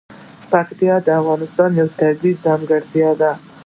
پکتیا د افغانستان یوه طبیعي ځانګړتیا ده.